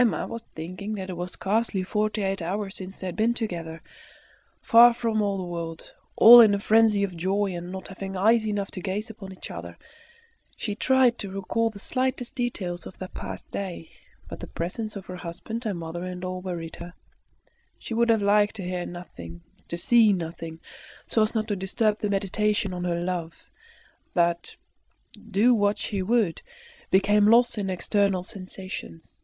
Emma was thinking that it was scarcely forty eight hours since they had been together, far from the world, all in a frenzy of joy, and not having eyes enough to gaze upon each other. She tried to recall the slightest details of that past day. But the presence of her husband and mother in law worried her. She would have liked to hear nothing, to see nothing, so as not to disturb the meditation on her love, that, do what she would, became lost in external sensations.